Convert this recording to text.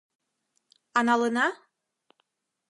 — А налына?